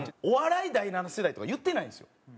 「お笑い第七世代」とか言ってないんですよ。